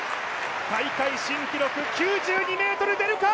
大会新記録９２ｍ出るか？